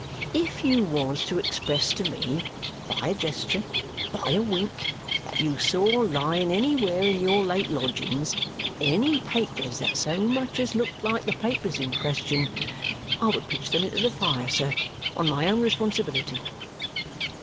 If you was to express to me by a gesture, by a wink, that you saw lying anywhere in your late lodgings any papers that so much as looked like the papers in question, I would pitch them into the fire, sir, on my own responsibility."